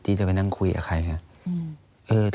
อันดับ๖๓๕จัดใช้วิจิตร